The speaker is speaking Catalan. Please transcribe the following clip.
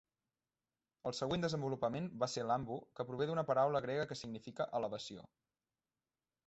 El següent desenvolupament va ser l""ambo", que prové d"una paraula grega que significa elevació.